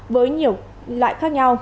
với nhiều loại khác nhau